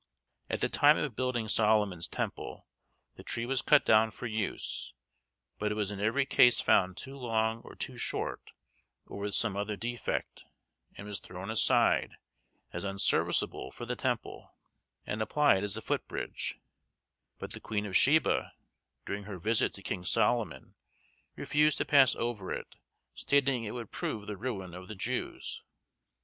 At the time of building Solomon's temple, the tree was cut down for use, but it was in every case found too long or too short, or with some other defect, and was thrown aside as unserviceable for the temple, and applied as a foot bridge; but the Queen of Sheba, during her visit to King Solomon, refused to pass over it, stating it would prove the ruin of the Jews.